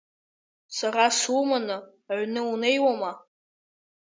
Сара суманы, аҩны унеиуама?